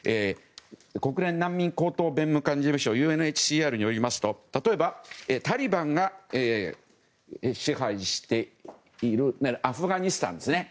国連難民高等弁務官事務所・ＵＮＨＣＲによりますと例えば、タリバンが支配しているアフガニスタンですね。